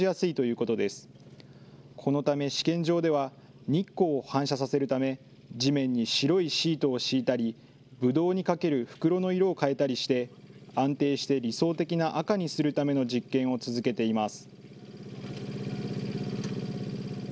このため、試験場では日光を反射させるため、地面に白いシートを敷いたり、ブドウにかける袋の色を変えたりして、安定して理想的な赤にするための実験を続けています。